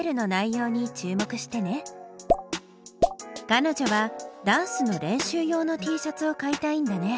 かのじょはダンスの練習用のＴシャツを買いたいんだね。